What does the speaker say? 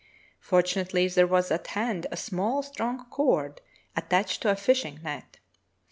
Fortunately there was at hand a small, strong cord attached to a fishing net.